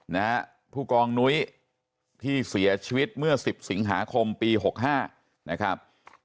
นะฮะผู้กองนุ้ยที่เสียชีวิตเมื่อสิบสิงหาคมปีหกห้านะครับ